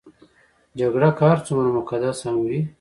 جګړه که هر څومره مقدسه هم وي.